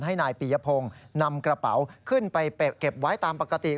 ให้นายปียพงศ์นำกระเป๋าขึ้นไปเก็บไว้ตามปกติ